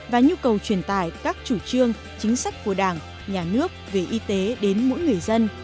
và nhu cầu truyền tải các chủ trương chính sách của đảng nhà nước về y tế đến mỗi người dân